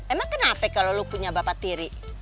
emang kenapa kalau lo punya bapak tiri